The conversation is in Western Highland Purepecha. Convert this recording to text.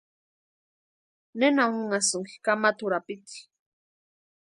¿Nena únhasïnki kamata urapiti?